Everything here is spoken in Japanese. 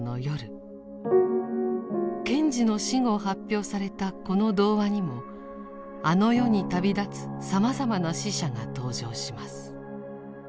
賢治の死後発表されたこの童話にもあの世に旅立つさまざまな死者が登場します。